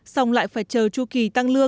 xong lại phải chờ chu kỳ